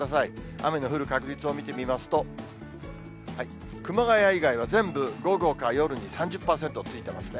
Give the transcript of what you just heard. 雨の降る確率を見てみますと、熊谷以外は全部、午後か夜に３０％ついてますね。